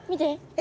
え！？